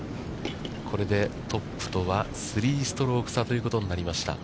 これでトップとは３ストローク差ということになりました。